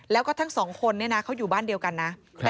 แล้วก็ทั้งสองคนเนี่ยนะเขาอยู่บ้านเดียวกันนะ